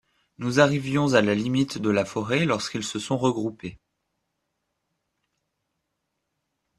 Nous arrivions à la limite de la forêt lorsqu’ils se sont regroupés.